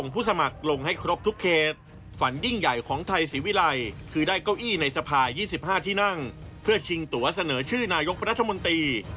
เพื่อชิงตัวเสนอชื่อนายกประธมนตรี